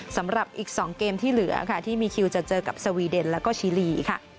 สำหรับอีก๒เกมที่เหลือค่ะที่มีคิวจะเจอกับสวีเดนแล้วก็ชิลีค่ะ